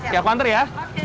siap kantor ya